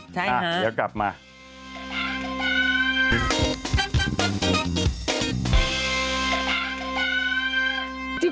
ใช่ฮะเดี๋ยวกลับมาเอาเดี๋ยวกลับมา